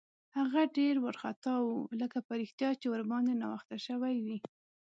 هغه ډېر وارخطا و، لکه په رښتیا چې ورباندې ناوخته شوی وي.